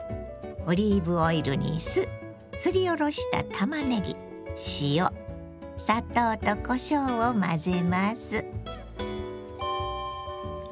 オリーブオイルに酢すりおろしたたまねぎ塩砂糖とこしょうを混ぜます。